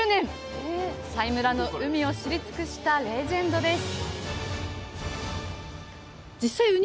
佐井村の海を知り尽くしたレジェンドです